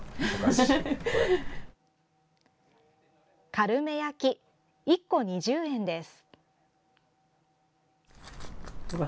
かるめ焼き１個２０円です。